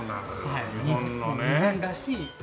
はい日本らしい。